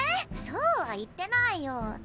そうは言ってないよ。